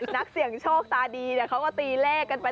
นักเสี่ยงโชคตาดีเขาก็ตีเลขกันไป